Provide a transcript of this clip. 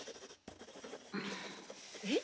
えっ？